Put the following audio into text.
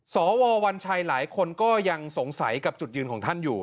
สววัญชัยหลายคนก็ยังสงสัยกับจุดยืนของท่านอยู่